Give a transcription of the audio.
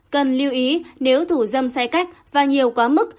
cần lưu ý nếu thủ dâm xe cách và nhiều quá mức